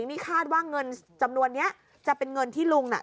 นี่คาดว่าเงินจำนวนนี้จะเป็นเงินที่ลุงน่ะ